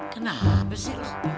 kenapa sih lo